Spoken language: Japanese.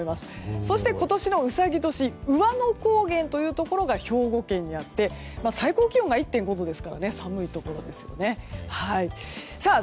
そして今年のうさぎ年兎の高原というところが兵庫県にあって最高気温が１．５度ですから寒いところですよね。